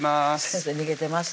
先生逃げてます